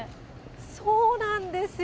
そうなんですよ。